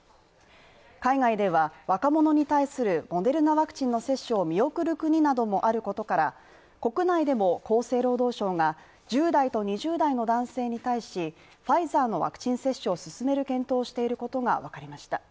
海外では若者に対するモデルナワクチンの接種を見送る国などもあることから、国内でも厚生労働省が１０代と２０代の男性に対しファイザーのワクチン接種を進める検討していることがわかりました。